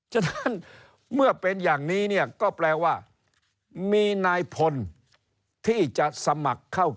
จนถึงเมื่อเป็นอย่างนี้ก็แปลว่า